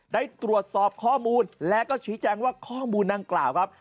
ได้ตรวจสอบข้อมูลและก็ชี้แจงว่าข้อมูลดังกล่าวครับ